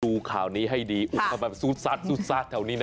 ดูข่าวนี้ให้ดีอุกมาแบบซูดซัดแถวนี้นะ